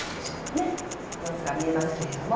様子が見えますけれども。